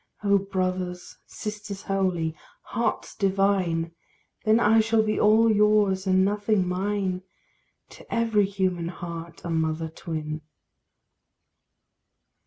Oh brothers! sisters holy! hearts divine! Then I shall be all yours, and nothing mine To every human heart a mother twin.